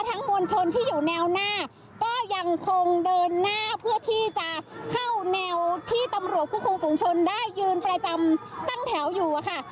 มวลชนที่อยู่แนวหน้าก็ยังคงเดินหน้าเพื่อที่จะเข้าแนวที่ตำรวจควบคุมฝุงชนได้ยืนประจำตั้งแถวอยู่อะค่ะ